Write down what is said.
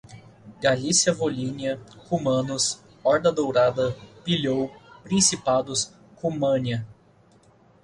Galícia-Volínia, cumanos, Horda Dourada, pilhou, principados, Cumânia